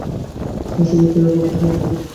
সাহসী ব্যক্তিরাই অকপট হইতে পারে।